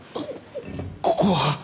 こここは？